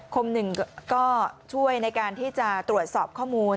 คนหนึ่งก็ช่วยในการที่จะตรวจสอบข้อมูล